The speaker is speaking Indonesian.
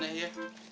kok aneh ya